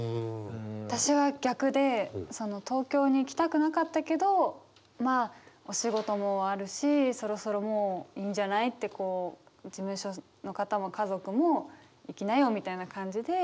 私は逆で東京に来たくなかったけどまあお仕事もあるしそろそろもういいんじゃないって事務所の方も家族も行きなよみたいな感じで。